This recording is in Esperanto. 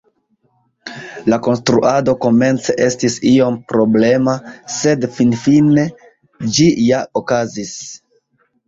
La konstruado komence estis iom problema, sed finfine ĝi ja okazis.